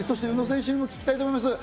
宇野選手にも聞きたいと思います。